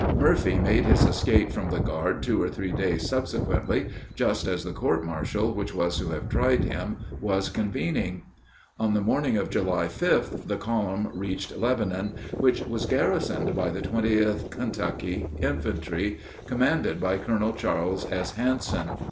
Murphy made his escape from the guard two or three days subsequently, just as the court martial which was to have tried him was convening. On the morning of July 5th the column reached Lebanon, which was garrisoned by the 20th Kentucky Infantry, commanded by Colonel Charles S. Hanson.